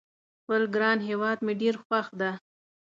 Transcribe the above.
خپل ګران هیواد مې ډېر خوښ ده